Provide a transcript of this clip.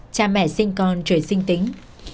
cha mẹ sinh con trời sinh tính